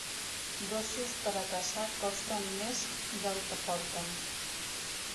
Gossos per a caçar costen més del que porten.